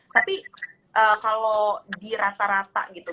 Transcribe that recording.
tapi kalau di rata rata gitu